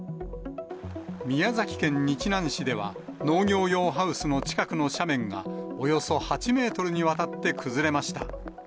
宮崎県日南市では、農業用ハウスの近くの斜面が、およそ８メートルにわたって崩れました。